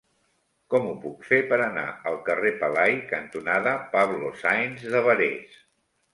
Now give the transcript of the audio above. Com ho puc fer per anar al carrer Pelai cantonada Pablo Sáenz de Barés?